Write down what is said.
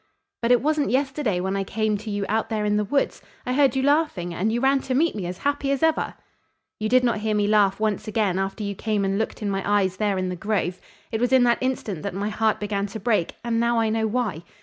"But it wasn't yesterday when I came to you out there in the woods. I heard you laughing, and you ran to meet me as happy as ever " "You did not hear me laugh once again after you came and looked in my eyes there in the grove. It was in that instant that my heart began to break, and now I know why.